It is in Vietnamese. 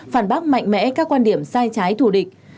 phản bác mạnh mẽ các quan điểm sai trái thù địch